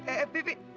eh eh pi pi